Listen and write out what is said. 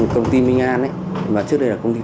công ty minh an mà trước đây là công ty tây hồ